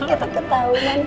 kita ke taunan